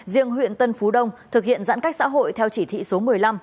riêng huyện tân phú đông thực hiện giãn cách xã hội theo chỉ thị số một mươi năm